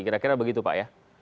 kira kira begitu pak ya